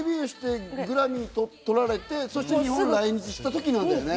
デビューしてグラミー取られて、そして日本に来日した時なんだよね。